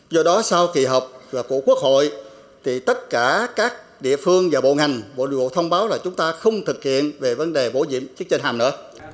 do đó sau kỳ họp của quốc hội thì tất cả các địa phương và bộ ngành bộ nội vụ thông báo là chúng ta không thực hiện về vấn đề bổ nhiệm chức danh hàm nữa